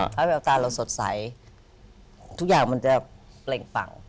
ถ้าแววตาเราสดใสทุกอย่างมันจะเปล่งปัง